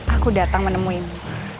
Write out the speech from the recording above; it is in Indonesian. aku datang menemuimu